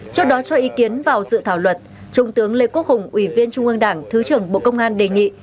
trước đó cho ý kiến vào dự thảo luật trung tướng lê quốc hùng ủy viên trung ương đảng thứ trưởng bộ công an đề nghị